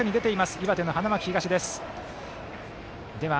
岩手の花巻東です。